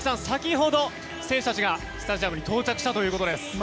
先ほど選手たちがスタジアムに到着したということです。